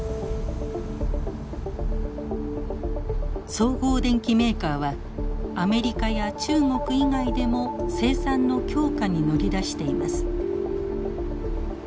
総合電機メーカーはアメリカや中国以外でも生産の強化に乗り出しています。